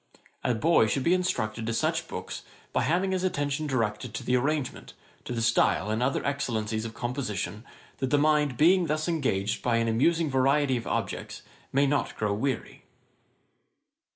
A boy should be introduced to such books, by having his attention directed to the arrangement, to the style, and other excellencies of composition; that the mind being thus engaged by an amusing variety of objects, may not grow weary.'